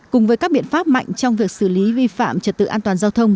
cùng với các biện pháp mạnh trong việc xử lý vi phạm trật tự an toàn giao thông